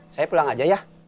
saya pulang aja ya